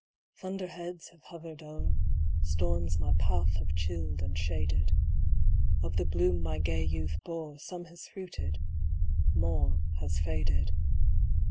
Thunder heads have hovered o'er Storms my path have chilled and shaded; Of the bloom my gay youth bore, Some has fruited more has faded."